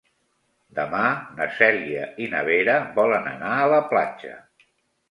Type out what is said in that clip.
Demà na Cèlia i na Vera volen anar a la platja.